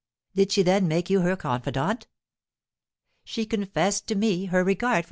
"Did she, then, make you her confidant?" "She confessed to me her regard for M.